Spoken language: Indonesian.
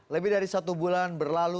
lebih dari satu bulan berlalu